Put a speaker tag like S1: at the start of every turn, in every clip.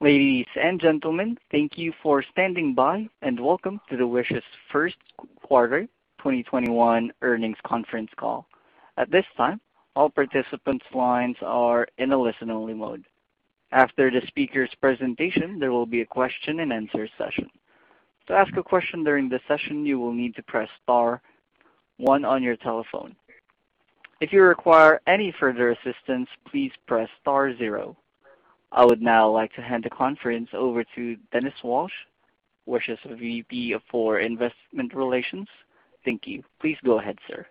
S1: Ladies and gentlemen, thank you for standing by, and welcome to the Wish's Q1 2021 earnings conference call. I would now like to hand the conference over to Dennis Walsh, Wish's VP for Investor Relations. Thank you. Please go ahead, sir.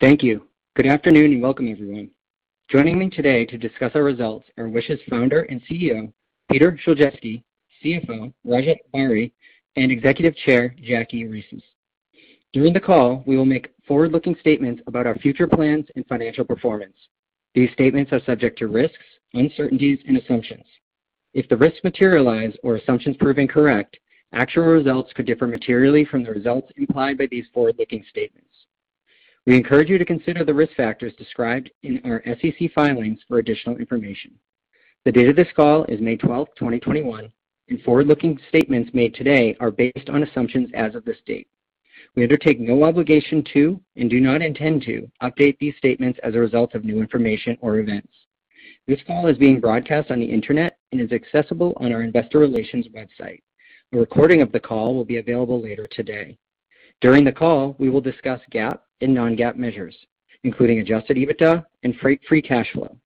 S2: Thank you. Good afternoon, and welcome everyone. Joining me today to discuss our results are Wish's Founder and CEO, Peter Szulczewski, CFO, Rajat Bahri, and Executive Chair, Jacqueline Reses. During the call, we will make forward-looking statements about our future plans and financial performance. These statements are subject to risks, uncertainties, and assumptions. If the risks materialize or assumptions prove incorrect, actual results could differ materially from the results implied by these forward-looking statements. We encourage you to consider the risk factors described in our SEC filings for additional information. The date of this call is May 12, 2021, and forward-looking statements made today are based on assumptions as of this date. We undertake no obligation to and do not intend to update these statements as a result of new information or events. This call is being broadcast on the internet and is accessible on our investor relations website. A recording of the call will be available later today. During the call, we will discuss GAAP and non-GAAP measures, including adjusted EBITDA and free cash flow.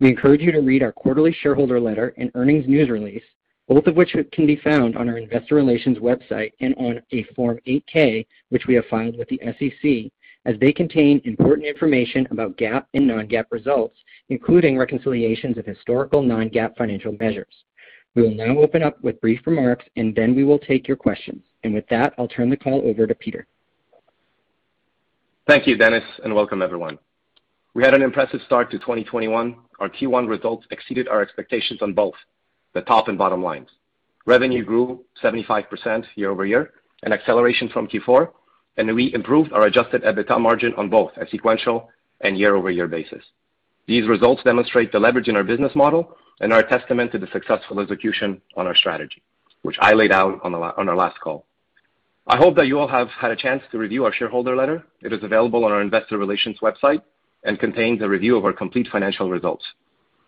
S2: We encourage you to read our quarterly shareholder letter and earnings news release, both of which can be found on our investor relations website and on a Form 8-K, which we have filed with the SEC, as they contain important information about GAAP and non-GAAP results, including reconciliations of historical non-GAAP financial measures. We will now open up with brief remarks, then we will take your questions. With that, I'll turn the call over to Peter.
S3: Thank you, Dennis, and welcome everyone. We had an impressive start to 2021. Our Q1 results exceeded our expectations on both the top and bottom lines. Revenue grew 75% year-over-year, an acceleration from Q4. We improved our adjusted EBITDA margin on both a sequential and year-over-year basis. These results demonstrate the leverage in our business model and are a testament to the successful execution on our strategy, which I laid out on our last call. I hope that you all have had a chance to review our shareholder letter. It is available on our investor relations website and contains a review of our complete financial results.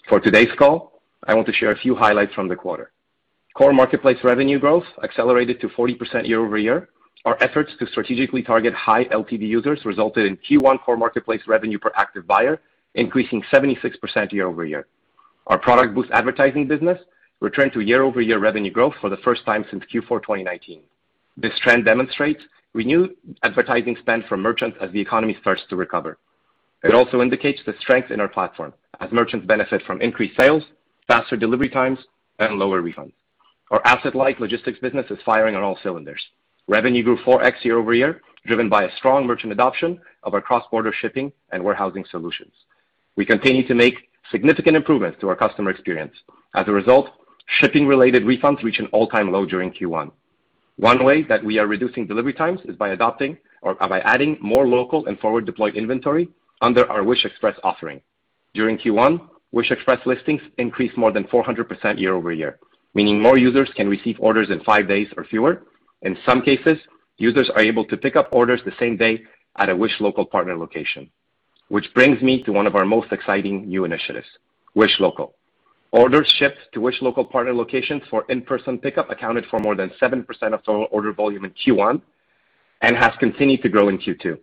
S3: For today's call, I want to share a few highlights from the quarter. Core marketplace revenue growth accelerated to 40% year-over-year. Our efforts to strategically target high LTV users resulted in Q1 core marketplace revenue per active buyer increasing 76% year-over-year. Our ProductBoost advertising business returned to year-over-year revenue growth for the first time since Q4 2019. This trend demonstrates renewed advertising spend from merchants as the economy starts to recover. It also indicates the strength in our platform as merchants benefit from increased sales, faster delivery times, and lower refunds. Our asset-light logistics business is firing on all cylinders. Revenue grew 4x year-over-year, driven by a strong merchant adoption of our cross-border shipping and warehousing solutions. We continue to make significant improvements to our customer experience. As a result, shipping-related refunds reached an all-time low during Q1. One way that we are reducing delivery times is by adding more local and forward-deployed inventory under our Wish Express offering. During Q1, Wish Express listings increased more than 400% year-over-year, meaning more users can receive orders in five days or fewer. In some cases, users are able to pick up orders the same day at a Wish Local partner location. Which brings me to one of our most exciting new initiatives, Wish Local. Orders shipped to Wish Local partner locations for in-person pickup accounted for more than seven percent of total order volume in Q1 and has continued to grow in Q2.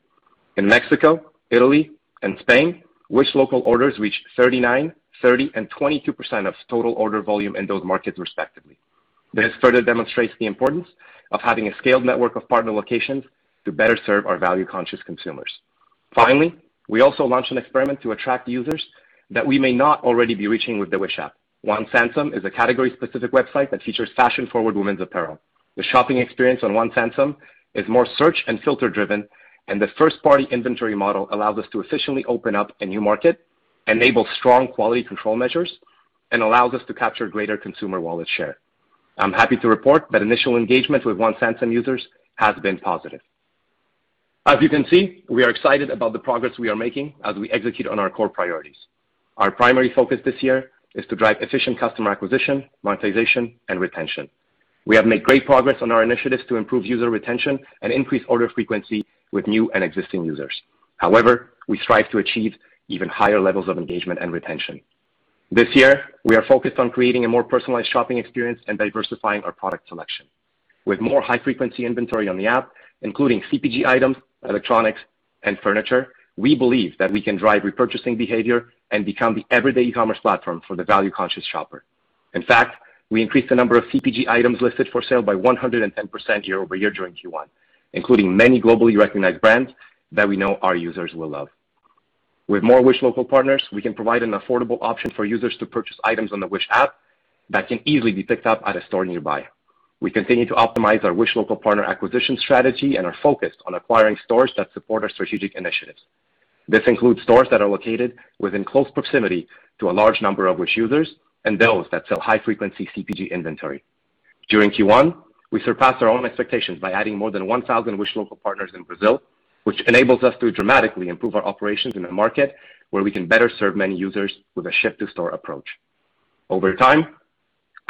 S3: In Mexico, Italy, and Spain, Wish Local orders reached 39%, 30%, and 22% of total order volume in those markets respectively. This further demonstrates the importance of having a scaled network of partner locations to better serve our value-conscious consumers. Finally, we also launched an experiment to attract users that we may not already be reaching with the Wish app. One Sansome is a category-specific website that features fashion-forward women's apparel. The shopping experience on One Sansome is more search and filter-driven, and the first-party inventory model allows us to efficiently open up a new market, enable strong quality control measures, and allows us to capture greater consumer wallet share. I'm happy to report that initial engagement with One Sansome users has been positive. As you can see, we are excited about the progress we are making as we execute on our core priorities. Our primary focus this year is to drive efficient customer acquisition, monetization, and retention. We have made great progress on our initiatives to improve user retention and increase order frequency with new and existing users. However, we strive to achieve even higher levels of engagement and retention. This year, we are focused on creating a more personalized shopping experience and diversifying our product selection. With more high-frequency inventory on the app, including CPG items, electronics, and furniture, we believe that we can drive repurchasing behavior and become the everyday e-commerce platform for the value-conscious shopper. In fact, we increased the number of CPG items listed for sale by 110% year-over-year during Q1, including many globally recognized brands that we know our users will love. With more Wish Local partners, we can provide an affordable option for users to purchase items on the Wish app that can easily be picked up at a store nearby. We continue to optimize our Wish Local partner acquisition strategy and are focused on acquiring stores that support our strategic initiatives. This includes stores that are located within close proximity to a large number of Wish users and those that sell high-frequency CPG inventory. During Q1, we surpassed our own expectations by adding more than 1,000 Wish Local partners in Brazil, which enables us to dramatically improve our operations in a market where we can better serve many users with a ship-to-store approach. Over time,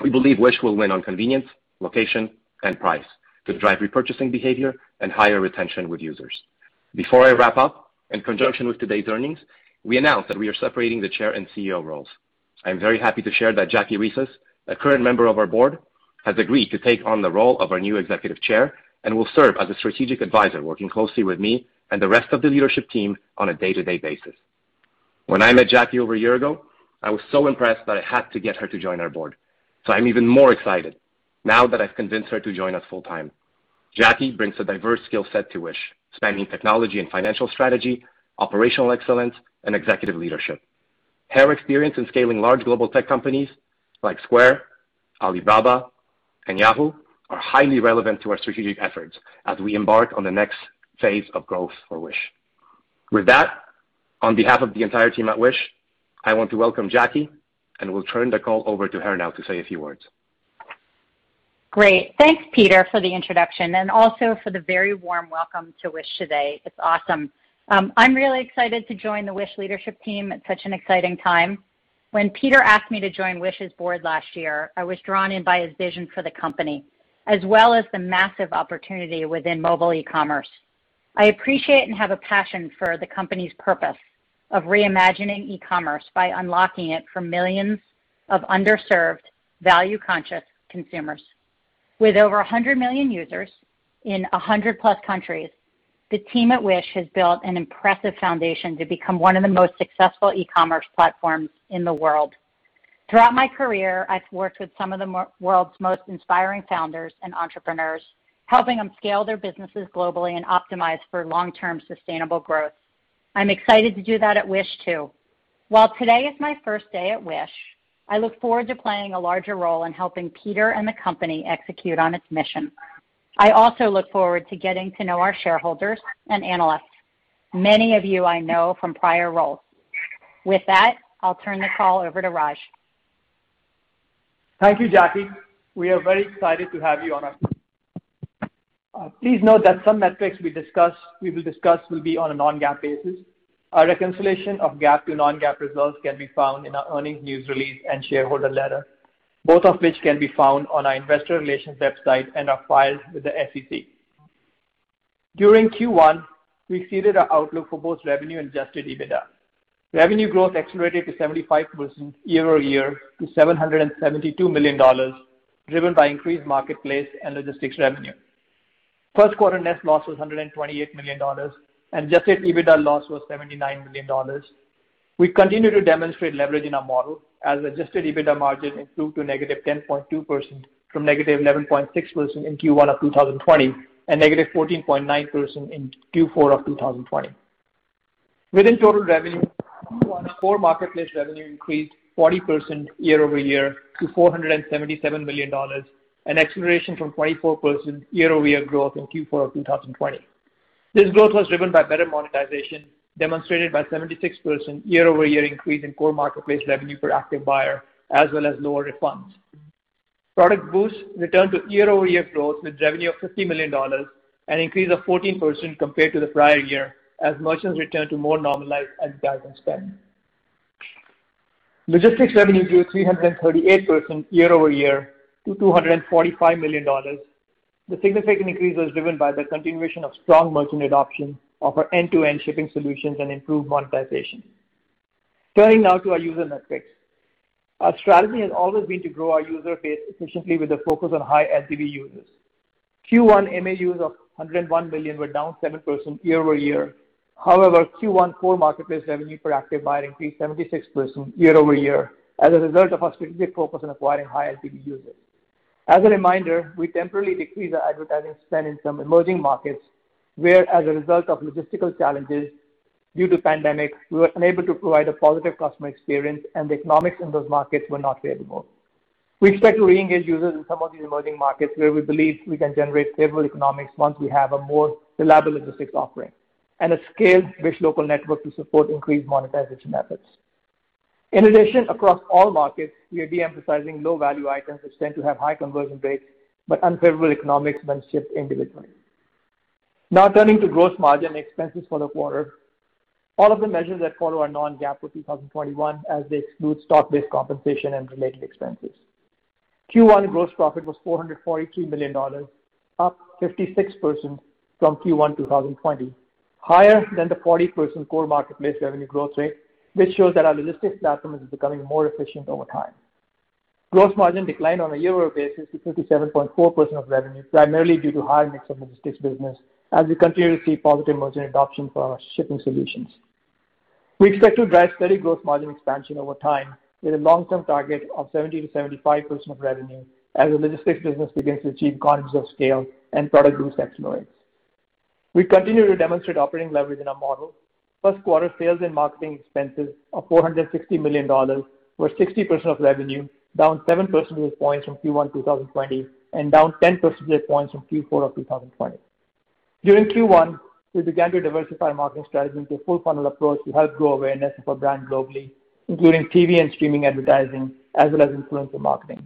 S3: we believe Wish will win on convenience, location, and price to drive repurchasing behavior and higher retention with users. Before I wrap up, in conjunction with today's earnings, we announce that we are separating the chair and CEO roles. I'm very happy to share that Jackie Reses, a current member of our board, has agreed to take on the role of our new Executive Chair and will serve as a strategic advisor, working closely with me and the rest of the leadership team on a day-to-day basis. When I met Jackie over a year ago, I was so impressed that I had to get her to join our board. I'm even more excited now that I've convinced her to join us full time. Jackie brings a diverse skill set to Wish, spanning technology and financial strategy, operational excellence, and executive leadership. Her experience in scaling large global tech companies like Square, Alibaba, and Yahoo are highly relevant to our strategic efforts as we embark on the next phase of growth for Wish. With that, on behalf of the entire team at Wish, I want to welcome Jackie, and will turn the call over to her now to say a few words.
S4: Great. Thanks, Peter, for the introduction, and also for the very warm welcome to Wish today. It's awesome. I'm really excited to join the Wish leadership team at such an exciting time. When Peter asked me to join Wish's board last year, I was drawn in by his vision for the company, as well as the massive opportunity within mobile e-commerce. I appreciate and have a passion for the company's purpose of reimagining e-commerce by unlocking it for millions of underserved, value-conscious consumers. With over 100 million users in 100-plus countries, the team at Wish has built an impressive foundation to become one of the most successful e-commerce platforms in the world. Throughout my career, I've worked with some of the world's most inspiring founders and entrepreneurs, helping them scale their businesses globally and optimize for long-term sustainable growth. I'm excited to do that at Wish, too. While today is my first day at Wish, I look forward to playing a larger role in helping Peter and the company execute on its mission. I also look forward to getting to know our shareholders and analysts. Many of you I know from prior roles. With that, I'll turn the call over to Raj.
S5: Thank you, Jackie. We are very excited to have you on our team. Please note that some metrics we will discuss will be on a non-GAAP basis. Our reconciliation of GAAP to non-GAAP results can be found in our earnings news release and shareholder letter, both of which can be found on our investor relations website and are filed with the SEC. During Q1, we exceeded our outlook for both revenue and adjusted EBITDA. Revenue growth accelerated to 75% year-over-year to $772 million, driven by increased marketplace and logistics revenue. Q1 net loss was $128 million, and adjusted EBITDA loss was $79 million. We continue to demonstrate leverage in our model, as adjusted EBITDA margin improved to -10.2% from -11.6% in Q1 of 2020, and -14.9% in Q4 of 2020. Within total revenue, Q1 core marketplace revenue increased 40% year-over-year to $477 million, an acceleration from 24% year-over-year growth in Q4 of 2020. This growth was driven by better monetization, demonstrated by 76% year-over-year increase in core marketplace revenue per active buyer, as well as lower refunds. ProductBoost returned to year-over-year growth with revenue of $50 million, an increase of 14% compared to the prior year, as merchants return to more normalized advertising spend. Logistics revenue grew 338% year-over-year to $245 million. The significant increase was driven by the continuation of strong merchant adoption of our end-to-end shipping solutions and improved monetization. Turning now to our user metrics. Our strategy has always been to grow our user base efficiently with a focus on high LTV users. Q1 MAUs of 101 million were down seven percent year-over-year. However, Q1 core marketplace revenue per active buyer increased 76% year-over-year as a result of our strategic focus on acquiring high LTV users. As a reminder, we temporarily decreased our advertising spend in some emerging markets, where as a result of logistical challenges due to pandemic, we were unable to provide a positive customer experience and the economics in those markets were not viable. We expect to reengage users in some of these emerging markets where we believe we can generate favorable economics once we have a more reliable logistics offering and a scaled Wish Local network to support increased monetization efforts. In addition, across all markets, we are de-emphasizing low-value items, which tend to have high conversion rates, but unfavorable economics when shipped individually. Now turning to gross margin expenses for the quarter. All of the measures that follow are non-GAAP for 2021, as they exclude stock-based compensation and related expenses. Q1 gross profit was $443 million, up 56% from Q1 2020, higher than the 40% core marketplace revenue growth rate, which shows that our logistics platform is becoming more efficient over time. Gross margin declined on a year-over-year basis to 57.4% of revenue, primarily due to higher mix of logistics business, as we continue to see positive merchant adoption for our shipping solutions. We expect to drive steady gross margin expansion over time with a long-term target of 70%-75% of revenue as the logistics business begins to achieve economies of scale and product mix. We continue to demonstrate operating leverage in our model. Q1 sales and marketing expenses of $460 million were 60% of revenue, down seven percentage points from Q1 2020 and down 10 percentage points from Q4 of 2020. During Q1, we began to diversify marketing strategies into a full funnel approach to help grow awareness of our brand globally, including TV and streaming advertising, as well as influencer marketing.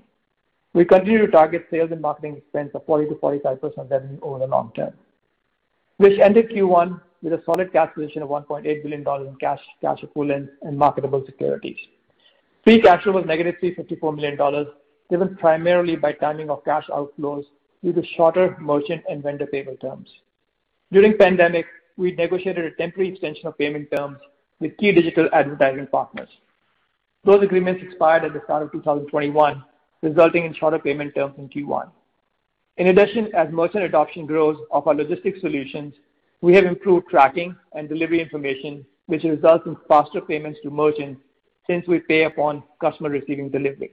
S5: We continue to target sales and marketing expense of 40%-45% revenue over the long term. Wish ended Q1 with a solid cash position of $1.8 billion in cash equivalents, and marketable securities. Free cash flow was negative $354 million, driven primarily by timing of cash outflows due to shorter merchant and vendor payment terms. During pandemic, we negotiated a temporary extension of payment terms with key digital advertising partners. Those agreements expired at the start of 2021, resulting in shorter payment terms in Q1. In addition, as merchant adoption grows of our logistics solutions, we have improved tracking and delivery information, which results in faster payments to merchants since we pay upon customer receiving delivery.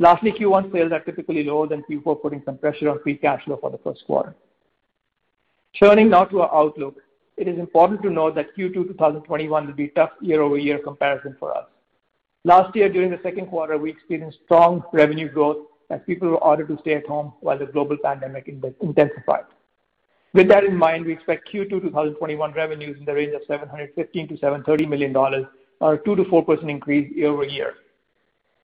S5: Q1 sales are typically lower than Q4, putting some pressure on free cash flow for the Q1. Turning now to our outlook. It is important to note that Q2 2021 will be a tough year-over-year comparison for us. Last year, during the second quarter, we experienced strong revenue growth as people were ordered to stay at home while the global pandemic intensified. With that in mind, we expect Q2 2021 revenues in the range of $715 million-$730 million, or 2%-4% increase year-over-year.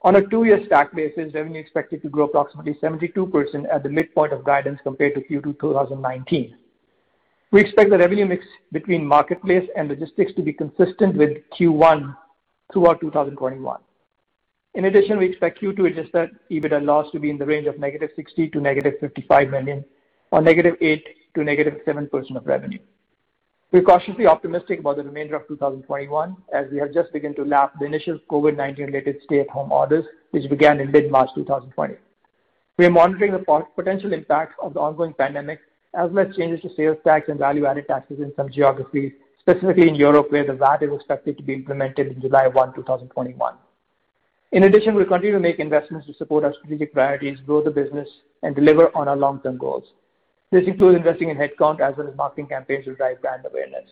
S5: On a two-year stack basis, revenue is expected to grow approximately 72% at the midpoint of guidance compared to Q2 2019. We expect the revenue mix between marketplace and logistics to be consistent with Q1 throughout 2021. In addition, we expect Q2 adjusted EBITDA loss to be in the range of -$60 million to -$55 million, or eight percent - seven percent of revenue. We're cautiously optimistic about the remainder of 2021, as we have just begun to lap the initial COVID-19 related stay-at-home orders, which began in mid-March 2020. We are monitoring the potential impact of the ongoing pandemic, as well as changes to sales tax and value-added taxes in some geographies, specifically in Europe, where the VAT is expected to be implemented in July 1, 2021. In addition, we continue to make investments to support our strategic priorities, grow the business, and deliver on our long-term goals. This includes investing in headcount as well as marketing campaigns to drive brand awareness.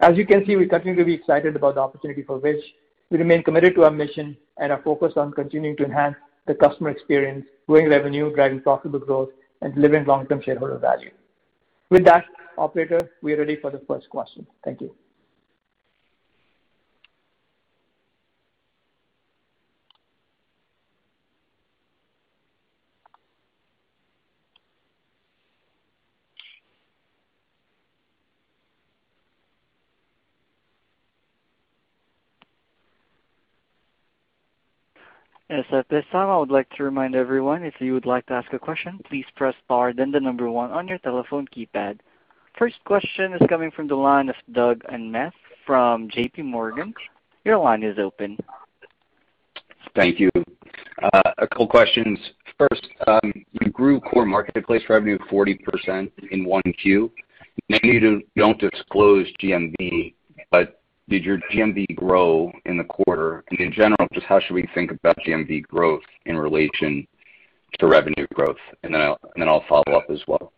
S5: As you can see, we continue to be excited about the opportunity for Wish. We remain committed to our mission and are focused on continuing to enhance the customer experience, growing revenue, driving profitable growth, and delivering long-term shareholder value. With that, operator, we are ready for the first question. Thank you.
S1: Yes, at this time, I would like to remind everyone, if you would like to ask a question, please press star then the number one on your telephone keypad. First question is coming from the line of Doug Anmuth from J.P. Morgan. Your line is open.
S6: Thank you. A couple questions. First, you grew core marketplace revenue 40% in one Q. Now, you don't disclose GMV, but did your GMV grow in the quarter? In general, just how should we think about GMV growth in relation to revenue growth? Then I'll follow up as well.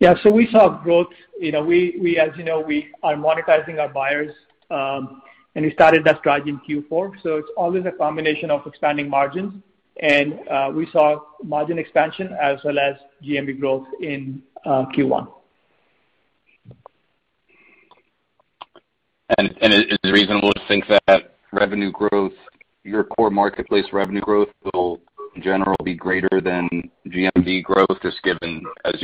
S5: We saw growth. As you know, we are monetizing our buyers, and we started that strategy in Q4. It's always a combination of expanding margins, and we saw margin expansion as well as GMV growth in Q1.
S6: Is it reasonable to think that your core marketplace revenue growth will, in general, be greater than GMV growth, just given as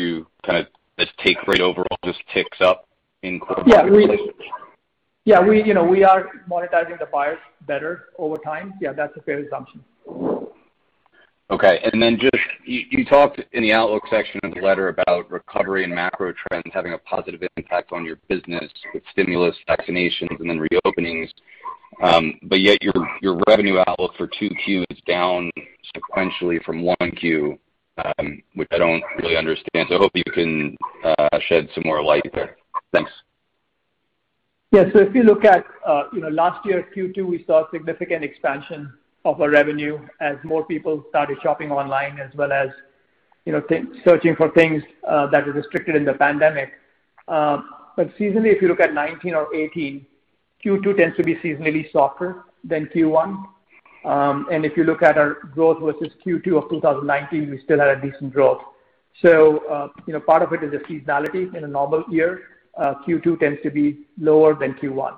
S6: take rate overall just ticks up in core marketplace?
S5: Yeah. We are monetizing the buyers better over time. Yeah, that's a fair assumption.
S6: Okay. Just, you talked in the outlook section of the letter about recovery and macro trends having a positive impact on your business with stimulus, vaccinations, and then reopenings. Yet your revenue outlook for 2Q is down sequentially from 1Q, which I don't really understand. I hope you can shed some more light there. Thanks.
S5: If you look at last year, Q2, we saw significant expansion of our revenue as more people started shopping online as well as searching for things that were restricted in the pandemic. Seasonally, if you look at 2019 or 2018, Q2 tends to be seasonally softer than Q1. If you look at our growth versus Q2 of 2019, we still had a decent growth. Part of it is the seasonality in a normal year. Q2 tends to be lower than Q1.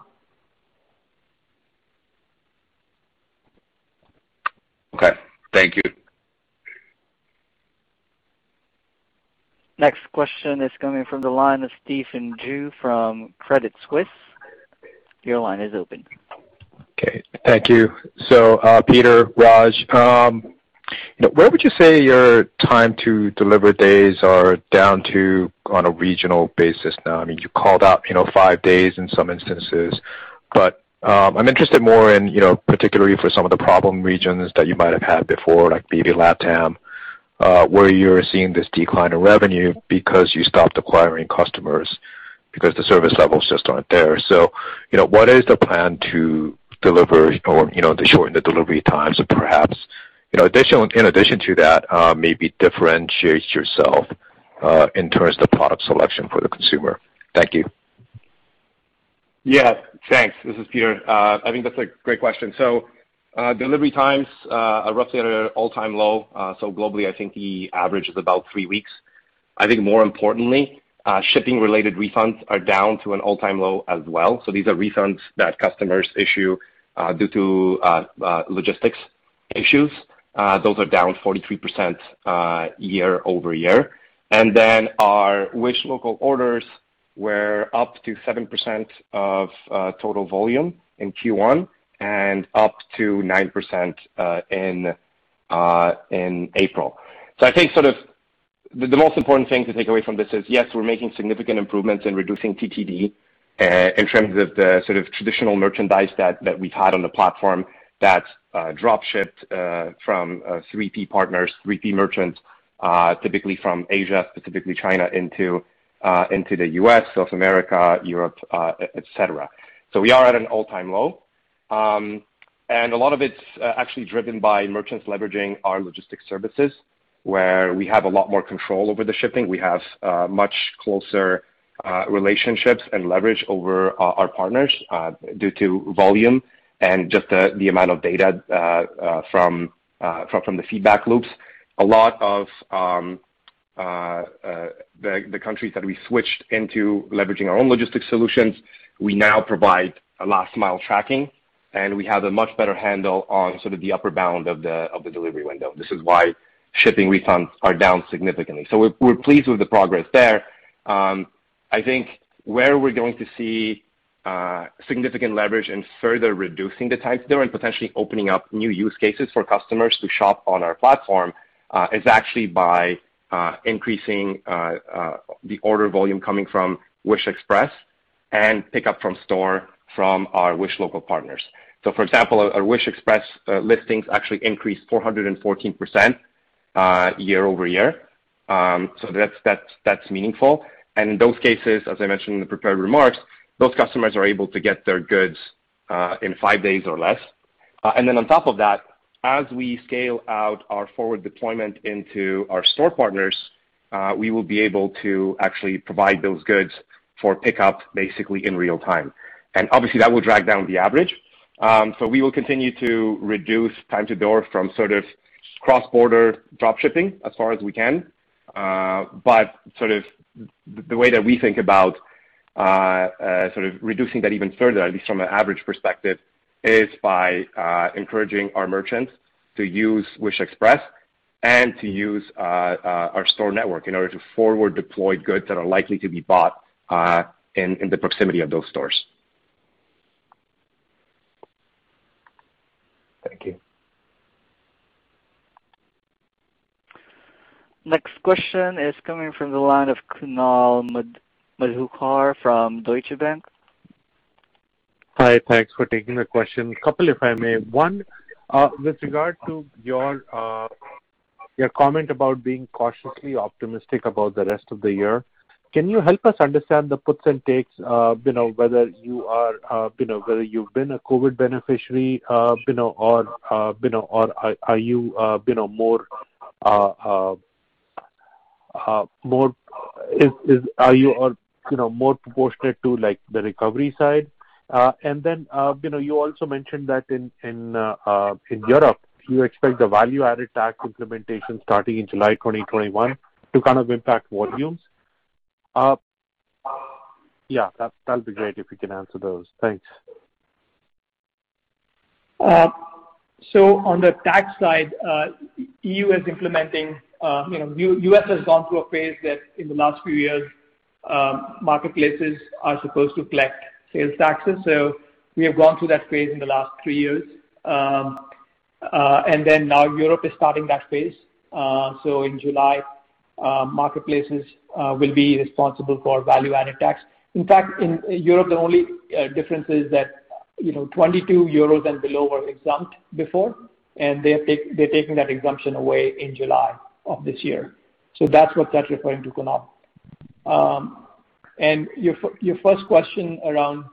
S6: Okay. Thank you.
S1: Next question is coming from the line of Stephen Ju from Credit Suisse. Your line is open.
S7: Okay. Thank you. Peter, Rajat, where would you say your time to deliver days are down to on a regional basis now? You called out five days in some instances, but I'm interested more in, particularly for some of the problem regions that you might have had before, like maybe LatAm, where you're seeing this decline in revenue because you stopped acquiring customers because the service levels just aren't there. What is the plan to deliver or to shorten the delivery times perhaps? In addition to that, maybe differentiate yourself in terms of the product selection for the consumer. Thank you.
S3: Yeah. Thanks. This is Peter. I think that's a great question. Delivery times are roughly at an all-time low. Globally, I think the average is about three weeks. I think more importantly, shipping-related refunds are down to an all-time low as well. These are refunds that customers issue due to logistics issues. Those are down 43% year-over-year. Our Wish Local orders were up to seven percent of total volume in Q1 and up to nine percent in April. I think sort of the most important thing to take away from this is, yes, we're making significant improvements in reducing TTD, in terms of the sort of traditional merchandise that we've had on the platform that's drop-shipped from 3P partners, 3P merchants, typically from Asia, specifically China, into the U.S., South America, Europe, et cetera. We are at an all-time low. A lot of it's actually driven by merchants leveraging our logistics services, where we have a lot more control over the shipping. We have much closer relationships and leverage over our partners due to volume and just the amount of data from the feedback loops. A lot of the countries that we switched into leveraging our own logistics solutions, we now provide last mile tracking, and we have a much better handle on sort of the upper bound of the delivery window. This is why shipping refunds are down significantly. We're pleased with the progress there. I think where we're going to see significant leverage in further reducing the times there and potentially opening up new use cases for customers to shop on our platform, is actually by increasing the order volume coming from Wish Express and pickup from store from our Wish Local partners. For example, our Wish Express listings actually increased 414% year-over-year. That's meaningful. In those cases, as I mentioned in the prepared remarks, those customers are able to get their goods in five days or less. On top of that, as we scale out our forward deployment into our store partners, we will be able to actually provide those goods for pickup basically in real time. Obviously, that will drag down the average. We will continue to reduce time to door from sort of cross-border drop shipping as far as we can. Sort of, the way that we think about sort of reducing that even further, at least from an average perspective, is by encouraging our merchants to use Wish Express and to use our store network in order to forward deploy goods that are likely to be bought in the proximity of those stores.
S7: Thank you.
S1: Next question is coming from the line of Kunal Madhukar from Deutsche Bank.
S8: Hi. Thanks for taking the question. A couple, if I may. One, with regard to your comment about being cautiously optimistic about the rest of the year, can you help us understand the puts and takes, whether you've been a COVID-19 beneficiary, or are you more proportionate to the recovery side? You also mentioned that in Europe, you expect the value-added tax implementation starting in July 2021 to kind of impact volumes. Yeah, that'd be great if you can answer those. Thanks.
S5: On the tax side, U.S. has gone through a phase that in the last few years, marketplaces are supposed to collect sales taxes. We have gone through that phase in the last three years. Now Europe is starting that phase. In July, marketplaces will be responsible for value-added tax. In fact, in Europe, the only difference is that €22 and below were exempt before, and they're taking that exemption away in July of this year. That's what that's referring to, Kunal. Your first question around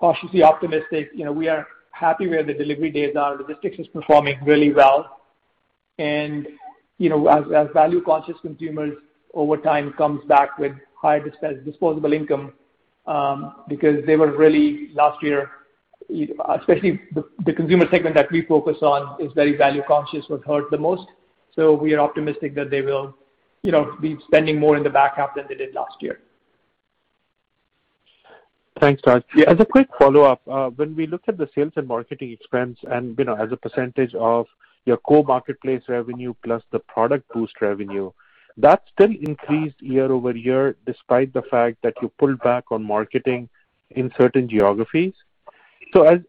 S5: cautiously optimistic. We are happy where the delivery days are. Logistics is performing really well. As value-conscious consumers over time comes back with higher disposable income, because they were really last year, especially the consumer segment that we focus on is very value-conscious, was hurt the most. We are optimistic that they will be spending more in the back half than they did last year.
S8: Thanks, Raj. As a quick follow-up, when we look at the sales and marketing expense and as a percentage of your core marketplace revenue plus the ProductBoost revenue, that still increased year-over-year despite the fact that you pulled back on marketing in certain geographies.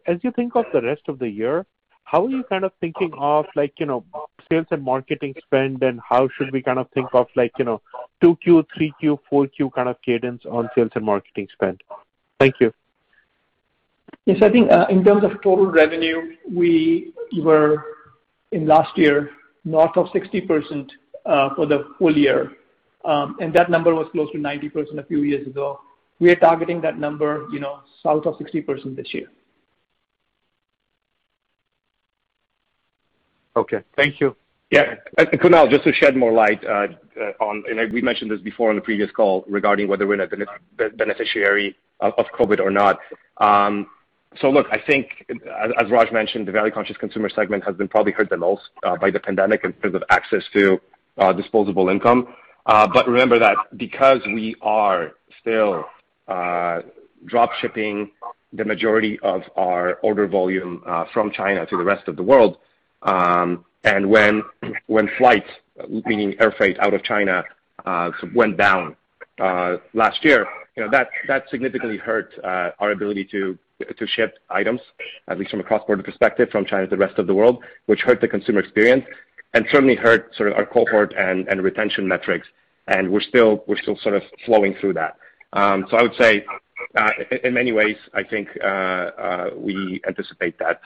S8: As you think of the rest of the year, how are you kind of thinking of sales and marketing spend, and how should we kind of think of 2Q, 3Q, 4Q kind of cadence on sales and marketing spend? Thank you.
S5: Yes, I think in terms of total revenue, we were, in last year, north of 60% for the full year. That number was close to 90% a few years ago. We are targeting that number south of 60% this year.
S8: Okay. Thank you.
S3: Kunal, just to shed more light on, we mentioned this before on the previous call regarding whether we're a beneficiary of COVID-19 or not. Look, I think as Raj mentioned, the value-conscious consumer segment has been probably hurt the most by the pandemic in terms of access to disposable income. Remember that because we are still drop shipping the majority of our order volume from China to the rest of the world, when flights, meaning air freight out of China, went down last year, that significantly hurt our ability to ship items, at least from a cross-border perspective, from China to the rest of the world, which hurt the consumer experience and certainly hurt our cohort and retention metrics, we're still sort of flowing through that. I would say, in many ways, I think we anticipate that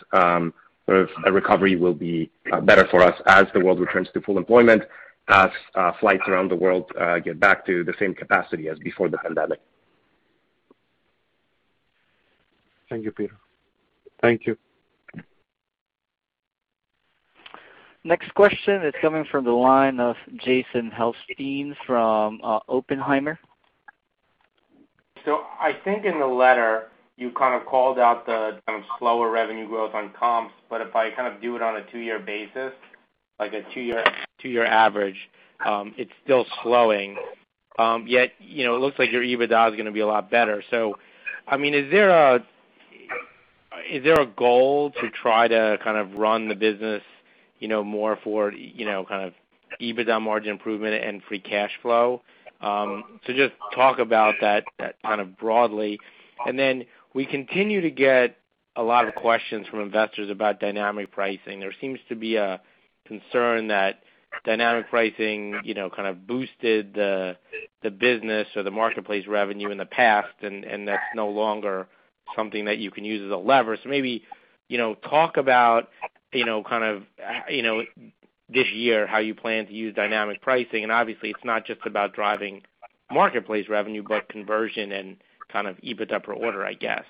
S3: a recovery will be better for us as the world returns to full employment, as flights around the world get back to the same capacity as before the pandemic.
S8: Thank you, Peter.
S3: Thank you.
S1: Next question is coming from the line of Jason Helfstein from Oppenheimer.
S9: I think in the letter you kind of called out the kind of slower revenue growth on comps, but if I do it on a two-year basis, like a two-year average, it's still slowing. Yet, it looks like your EBITDA is going to be a lot better. Is there a goal to try to kind of run the business more for EBITDA margin improvement and free cash flow? Just talk about that kind of broadly. Then we continue to get a lot of questions from investors about dynamic pricing. There seems to be a concern that dynamic pricing kind of boosted the business or the marketplace revenue in the past, and that's no longer something that you can use as a lever. Maybe, talk about this year how you plan to use dynamic pricing, and obviously it's not just about driving marketplace revenue, but conversion and kind of EBITDA per order, I guess.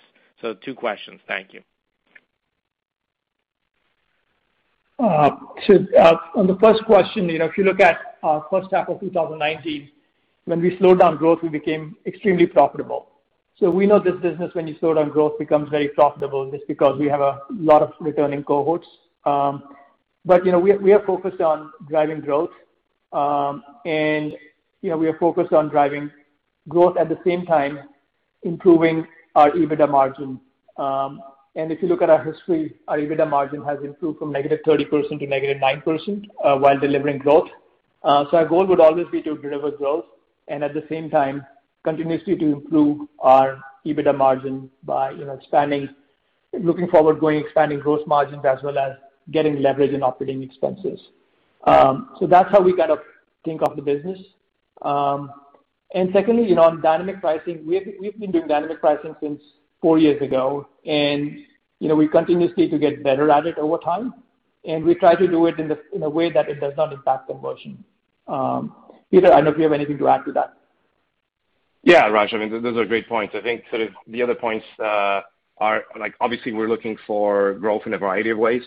S9: Two questions. Thank you.
S5: On the first question, if you look at our first half of 2019, when we slowed down growth, we became extremely profitable. We know this business, when you slow down growth becomes very profitable just because we have a lot of returning cohorts. We are focused on driving growth. We are focused on driving growth at the same time improving our EBITDA margin. If you look at our history, our EBITDA margin has improved from negative 30% to negative nine percent while delivering growth. Our goal would always be to deliver growth and at the same time continuously to improve our EBITDA margin by expanding, looking forward going, expanding growth margins as well as getting leverage in operating expenses. That's how we kind of think of the business. Secondly, on dynamic pricing, we've been doing dynamic pricing since four years ago, and we continuously to get better at it over time, and we try to do it in a way that it does not impact conversion. Peter, I don't know if you have anything to add to that.
S3: Yeah, Raj, those are great points. I think the other points are like, obviously we're looking for growth in a variety of ways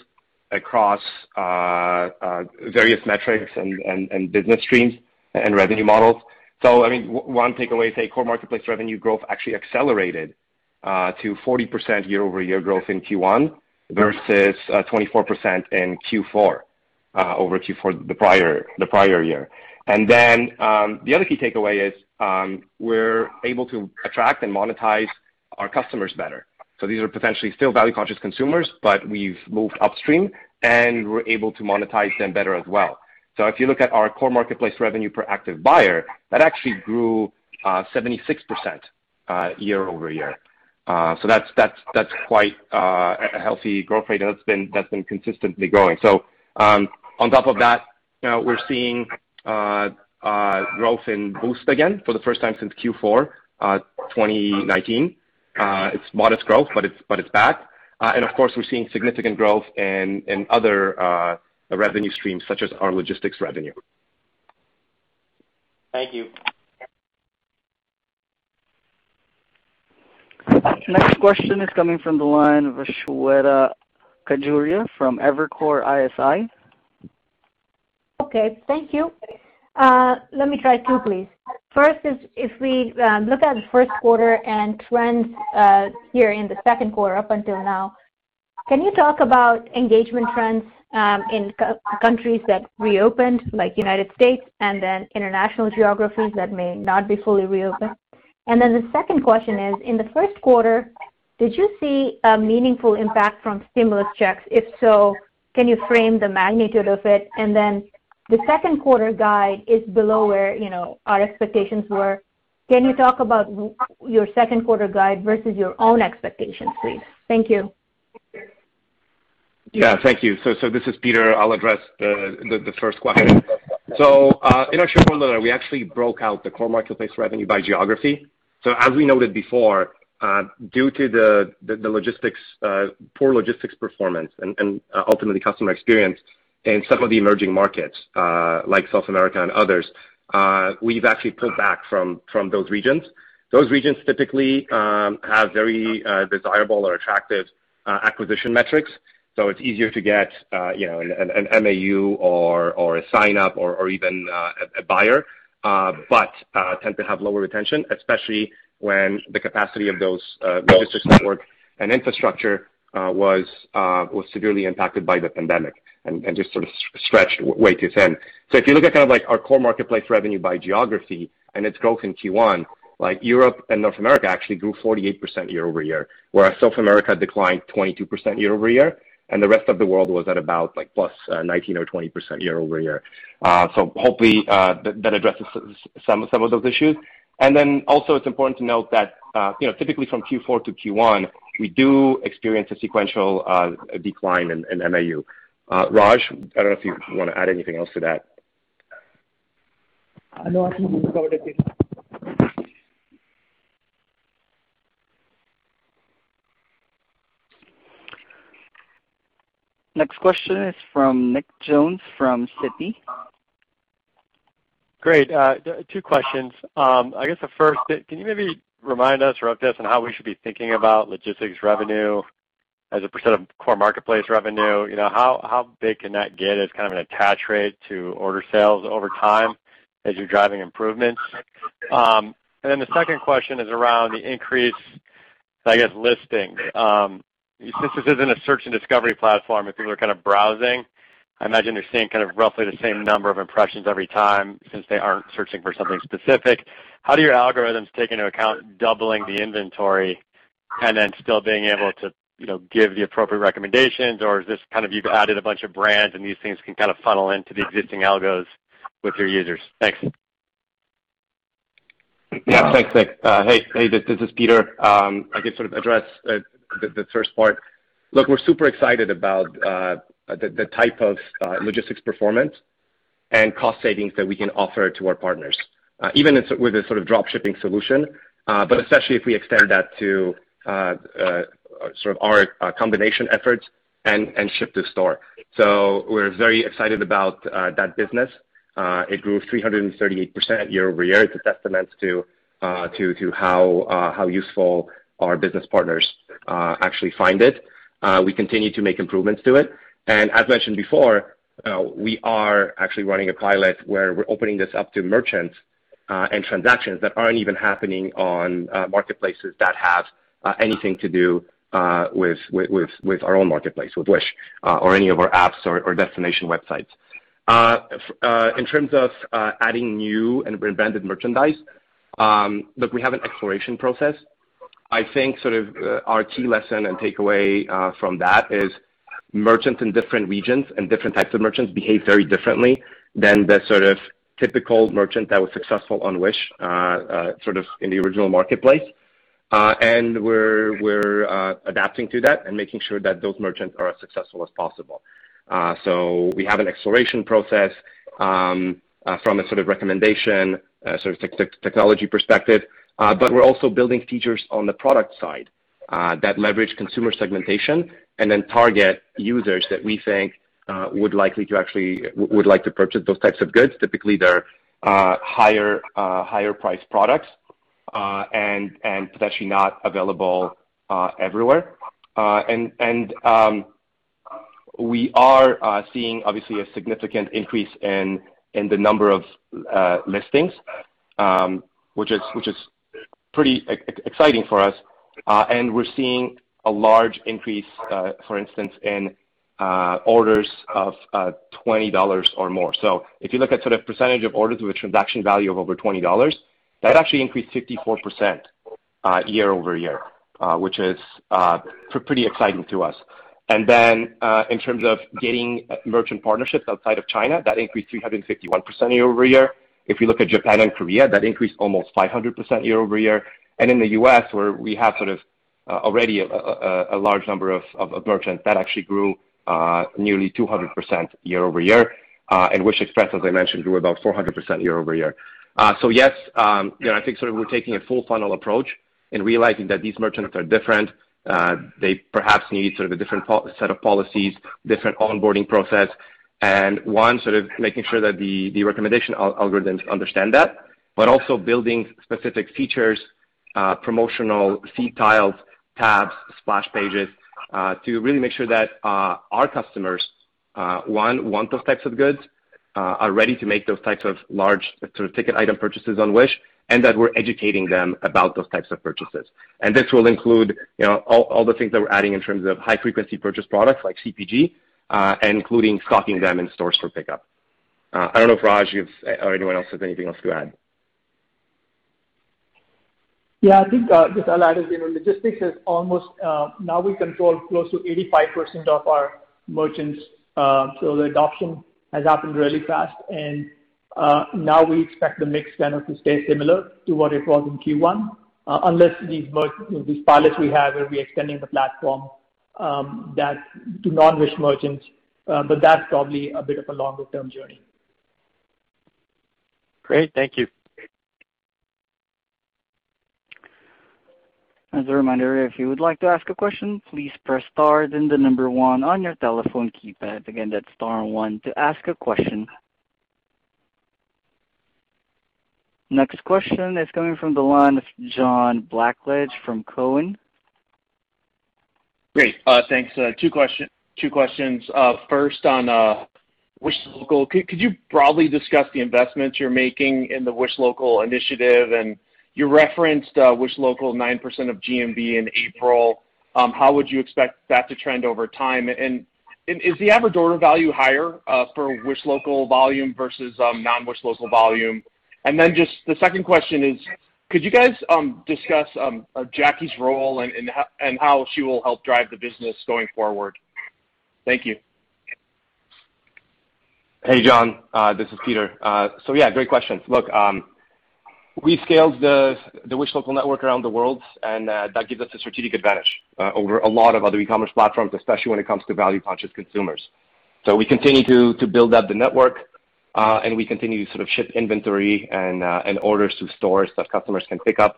S3: across various metrics and business streams and revenue models. One takeaway, say core marketplace revenue growth actually accelerated to 40% year-over-year growth in Q1 versus 24% in Q4, over Q4 the prior year. The other key takeaway is we're able to attract and monetize our customers better. These are potentially still value-conscious consumers, but we've moved upstream, and we're able to monetize them better as well. If you look at our core marketplace revenue per active buyer, that actually grew 76% year-over-year. That's quite a healthy growth rate that's been consistently growing. On top of that, we're seeing growth in Boost again for the first time since Q4 2019. It's modest growth, but it's back. Of course, we're seeing significant growth in other revenue streams such as our logistics revenue.
S9: Thank you.
S1: Next question is coming from the line of Shweta Khajuria from Evercore ISI.
S10: Okay. Thank you. Let me try two please. First is if we look at first quarter and trends here in the Q2 up until now, can you talk about engagement trends in countries that reopened, like United States and then international geographies that may not be fully reopened? The second question is, in the first quarter, did you see a meaningful impact from stimulus checks? If so, can you frame the magnitude of it? The second quarter guide is below where our expectations were. Can you talk about your second quarter guide versus your own expectations, please? Thank you.
S3: Yeah. Thank you. This is Peter. I'll address the first question. In our shareholder letter, we actually broke out the core marketplace revenue by geography. So as we noted before, due to the poor logistics performance and ultimately customer experience in some of the emerging markets, like South America and others, we've actually pulled back from those regions. Those regions typically have very desirable or attractive acquisition metrics, so it's easier to get an MAU or a sign-up or even a buyer. Tend to have lower retention, especially when the capacity of those logistics network and infrastructure was severely impacted by the pandemic and just sort of stretched way too thin. If you look at kind of our core marketplace revenue by geography and its growth in Q1, Europe and North America actually grew 48% year-over-year, whereas South America declined 22% year-over-year, and the rest of the world was at about plus 19% or 20% year-over-year. Hopefully, that addresses some of those issues. Also it's important to note that typically from Q4 - Q1, we do experience a sequential decline in MAU. Raj, I don't know if you want to add anything else to that.
S5: No, I think you covered it.
S1: Next question is from Nicholas Jones from Citi.
S11: Great. Two questions. I guess the first, can you maybe remind us, or update us on how we should be thinking about logistics revenue as a percentage of core marketplace revenue? How big can that get as kind of an attach rate to order sales over time as you're driving improvements? Then the second question is around the increase, I guess listings. Since this isn't a search and discovery platform and people are kind of browsing, I imagine they're seeing kind of roughly the same number of impressions every time, since they aren't searching for something specific. How do your algorithms take into account doubling the inventory and then still being able to give the appropriate recommendations, or is this kind of you've added a bunch of brands and these things can kind of funnel into the existing algos with your users? Thanks.
S3: Yeah. Thanks, Nick. Hey, this is Peter. I can sort of address the first part. Look, we're super excited about the type of logistics performance and cost savings that we can offer to our partners. Even with a sort of drop shipping solution, but especially if we extend that to sort of our combination efforts and ship to store. We're very excited about that business. It grew 338% year-over-year. It's a testament to how useful our business partners actually find it. We continue to make improvements to it. As mentioned before, we are actually running a pilot where we're opening this up to merchants and transactions that aren't even happening on marketplaces that have anything to do with our own marketplace, with Wish, or any of our apps or destination websites. In terms of adding new and rebranded merchandise, look, we have an exploration process. I think sort of our key lesson and takeaway from that is merchants in different regions and different types of merchants behave very differently than the sort of typical merchant that was successful on Wish, sort of in the original marketplace. We're adapting to that and making sure that those merchants are as successful as possible. We have an exploration process from a sort of recommendation, sort of technology perspective. We're also building features on the product side that leverage consumer segmentation and then target users that we think would like to purchase those types of goods. Typically, they're higher-priced products, and potentially not available everywhere. We are seeing obviously a significant increase in the number of listings, which is pretty exciting for us. We're seeing a large increase, for instance, in orders of $20 or more. If you look at sort of percentage of orders with transaction value of over $20, that actually increased 54% year-over-year, which is pretty exciting to us. In terms of getting merchant partnerships outside of China, that increased 351% year-over-year. If you look at Japan and Korea, that increased almost 500% year-over-year. In the U.S., where we have sort of already a large number of merchants, that actually grew nearly 200% year-over-year. Wish Express, as I mentioned, grew about 400% year-over-year. Yes, I think sort of we're taking a full-funnel approach and realizing that these merchants are different. They perhaps need sort of a different set of policies, different onboarding process. One sort of making sure that the recommendation algorithms understand that, but also building specific features, promotional feed tiles, tabs, splash pages, to really make sure that our customers, one, want those types of goods, are ready to make those types of large sort of ticket item purchases on Wish, and that we're educating them about those types of purchases. This will include all the things that we're adding in terms of high-frequency purchase products like CPG, including stocking them in stores for pickup. I don't know if Raj or anyone else has anything else to add.
S5: Yeah, I think just I'll add, as you know, Now we control close to 85% of our merchants. The adoption has happened really fast, and now we expect the mix kind of to stay similar to what it was in Q1, unless these pilots we have, where we're extending the platform to non-Wish merchants. That's probably a bit of a longer-term journey.
S3: Great. Thank you.
S1: Next question is coming from the line of John Blackledge from Cowen.
S12: Great. Thanks. Two questions. First on Wish Local. Could you broadly discuss the investments you're making in the Wish Local initiative? You referenced Wish Local, nine percent of GMV in April. How would you expect that to trend over time? Is the average order value higher for Wish Local volume versus non-Wish Local volume? Just the second question is, could you guys discuss Jackie's role and how she will help drive the business going forward? Thank you.
S3: Hey, John. This is Peter. Yeah, great questions. Look, we scaled the Wish Local network around the world, and that gives us a strategic advantage over a lot of other e-commerce platforms, especially when it comes to value-conscious consumers. We continue to build out the network, and we continue to sort of ship inventory and orders to stores that customers can pick up.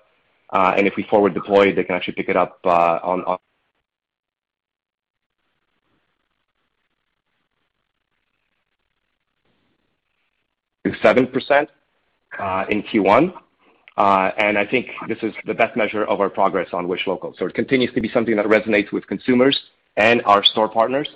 S3: If we forward deploy, they can actually pick it up up to seven percent in Q1. I think this is the best measure of our progress on Wish Local. It continues to be something that resonates with consumers and our store partners.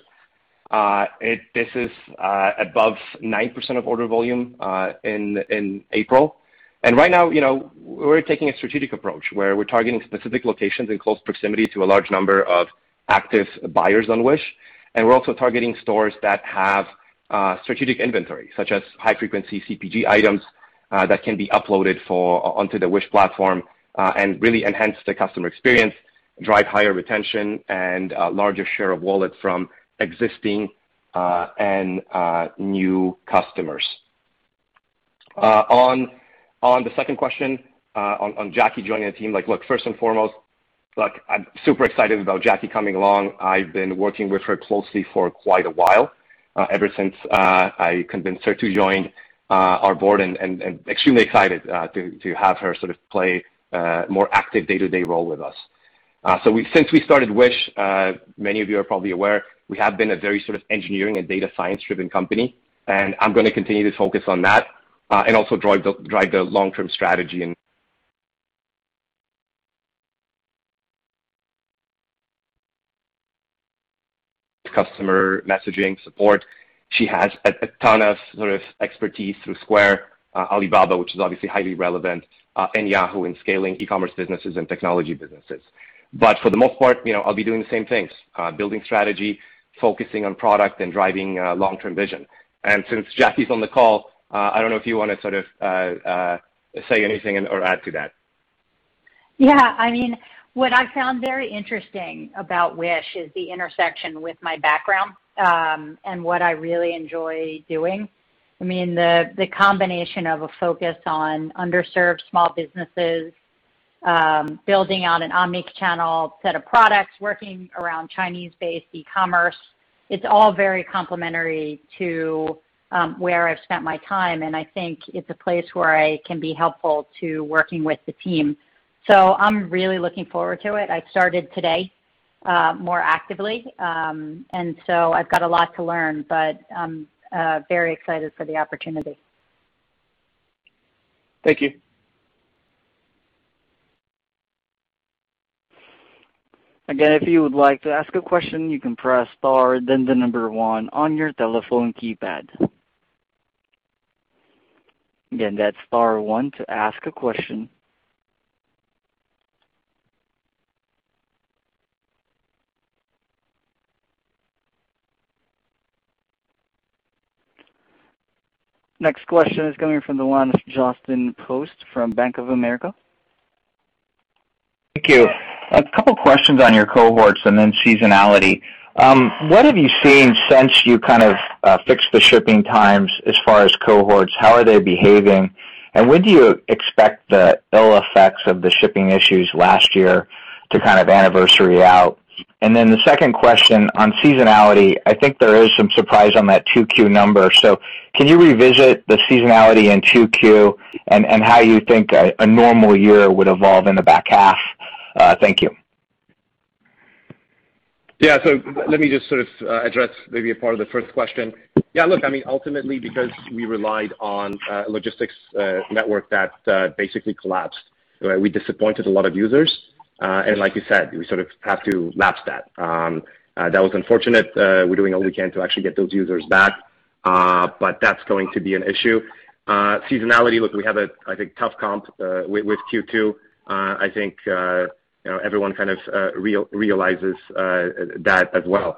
S3: This is above nine percent of order volume in April. Right now, we're taking a strategic approach where we're targeting specific locations in close proximity to a large number of active buyers on Wish. We're also targeting stores that have strategic inventory, such as high-frequency CPG items that can be uploaded onto the Wish platform and really enhance the customer experience, drive higher retention, and a larger share of wallet from existing and new customers. On the second question, on Jackie joining the team. Look, first and foremost, I'm super excited about Jackie coming along. I've been working with her closely for quite a while, ever since I convinced her to join our board, and extremely excited to have her sort of play a more active day-to-day role with us. Since we started Wish, many of you are probably aware, we have been a very sort of engineering and data science-driven company, and I'm going to continue to focus on that, and also drive the long-term strategy and customer messaging support. She has a ton of sort of expertise through Square, Alibaba, which is obviously highly relevant, and Yahoo in scaling e-commerce businesses and technology businesses. For the most part, I'll be doing the same things, building strategy, focusing on product, and driving long-term vision. Since Jackie's on the call, I don't know if you want to sort of say anything or add to that.
S4: Yeah. What I found very interesting about Wish is the intersection with my background, and what I really enjoy doing. The combination of a focus on underserved small businesses, building out an omni-channel set of products, working around Chinese-based e-commerce, it's all very complementary to where I've spent my time, and I think it's a place where I can be helpful to working with the team. I'm really looking forward to it. I started today more actively, I've got a lot to learn, but I'm very excited for the opportunity.
S12: Thank you.
S1: Again, if you would like to ask a question, you can press star, then the number one on your telephone keypad. Again, that's star one to ask a question. Next question is coming from the line of Justin Post from Bank of America.
S13: Thank you. A couple questions on your cohorts and then seasonality. What have you seen since you kind of fixed the shipping times as far as cohorts? How are they behaving? When do you expect the ill effects of the shipping issues last year to kind of anniversary out? Then the second question on seasonality. I think there is some surprise on that 2Q number. Can you revisit the seasonality in 2Q and how you think a normal year would evolve in the back half? Thank you.
S3: Let me just sort of address maybe a part of the first question. Look, ultimately, because we relied on a logistics network that basically collapsed, we disappointed a lot of users. Like you said, we sort of have to lapse that. That was unfortunate. We're doing all we can to actually get those users back, but that's going to be an issue. Seasonality, look, we have a, I think, tough comp with Q2. I think everyone kind of realizes that as well.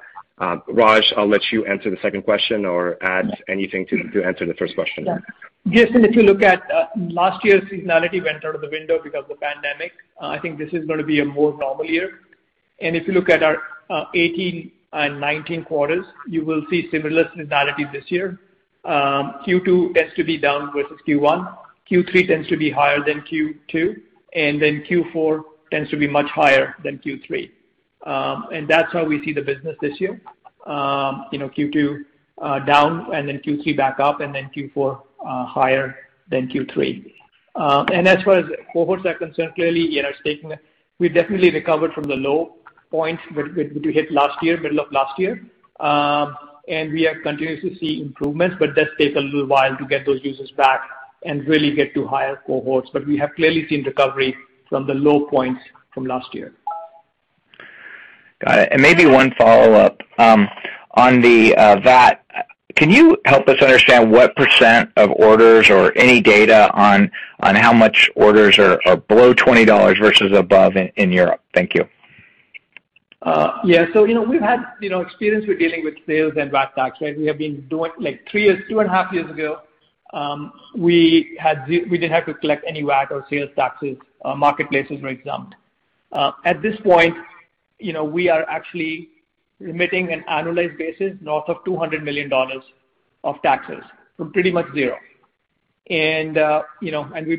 S3: Raj, I'll let you answer the second question or add anything to answer the first question.
S5: Yeah. Justin, if you look at last year's seasonality went out of the window because of the pandemic. I think this is going to be a more normal year. If you look at our 2018 and 2019 quarters, you will see similar seasonality this year. Q2 tends to be down versus Q1. Q3 tends to be higher than Q2. Q4 tends to be much higher than Q3. That's how we see the business this year. Q2 down. Q3 back up. Q4 higher than Q3. As far as cohorts are concerned, clearly, we've definitely recovered from the low points that we hit last year, middle of last year. We are continuously seeing improvements, but does take a little while to get those users back and really get to higher cohorts. We have clearly seen recovery from the low points from last year.
S13: Got it. Maybe one follow-up. On the VAT, can you help us understand what percentage of orders or any data on how much orders are below EUR 20 versus above in Europe? Thank you.
S5: Yeah. We've had experience with dealing with sales and VAT tax. Two and a half years ago, we didn't have to collect any VAT or sales taxes. Marketplaces were exempt. At this point, we are actually remitting an annualized basis north of $200 million of taxes, from pretty much zero. We've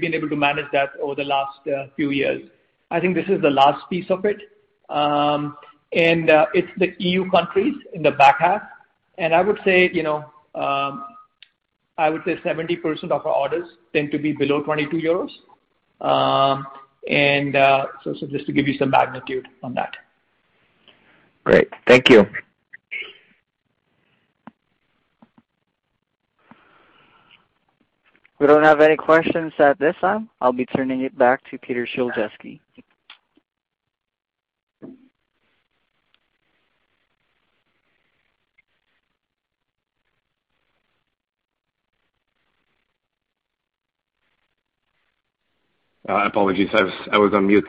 S5: been able to manage that over the last few years. I think this is the last piece of it. It's the EU countries in the back half, I would say 70% of our orders tend to be below €22. Just to give you some magnitude on that.
S13: Great. Thank you.
S1: We don't have any questions at this time. I'll be turning it back to Peter Szulczewski.
S3: Apologies, I was on mute.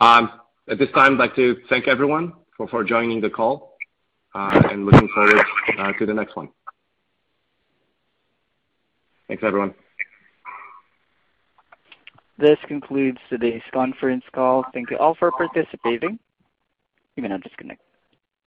S3: At this time, I'd like to thank everyone for joining the call, and looking forward to the next one. Thanks, everyone.
S1: This concludes today's conference call. Thank you all for participating. You may now disconnect.